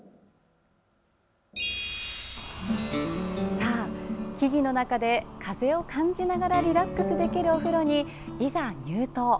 さあ、木々の中で風を感じながらリラックスできるお風呂にいざ入湯。